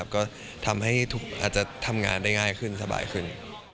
ก็ทำให้อาจจะทำงานได้ง่ายขึ้นสบายขึ้น